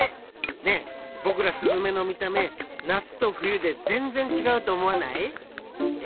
ねえぼくらスズメのみため夏と冬でぜんぜんちがうとおもわない？え？